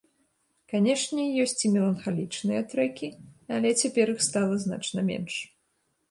Канешне, ёсць і меланхалічныя трэкі, але цяпер іх стала значна менш.